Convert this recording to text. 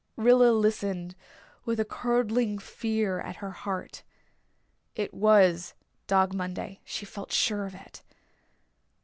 Rilla listened with a curdling fear at her heart. It was Dog Monday she felt sure of it.